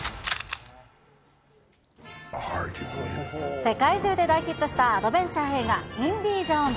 世界中で大ヒットしたアドベンチャー映画、インディ・ジョーンズ。